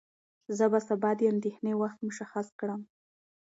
زه به سبا د اندېښنې وخت مشخص کړم.